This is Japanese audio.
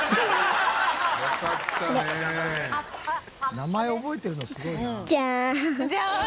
名前覚えてるのすごいな。